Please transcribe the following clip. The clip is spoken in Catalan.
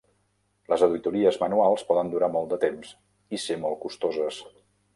Les auditories manuals poden durar molt de temps i ser molt costoses.